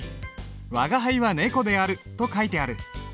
「吾輩は猫である」と書いてある。